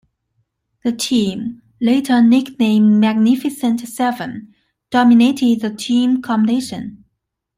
The team, later nicknamed Magnificent Seven, dominated the team competition.